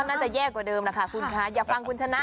น่าจะแย่กว่าเดิมนะคะอย่าฟังคุณฉันน่ะนะคะ